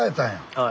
はい。